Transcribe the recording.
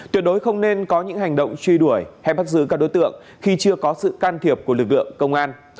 tuyệt đối không nên có những hành động truy đuổi hay bắt giữ các đối tượng khi chưa có sự can thiệp của lực lượng công an